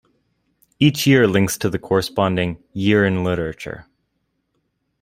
Each year links to the corresponding "year in literature".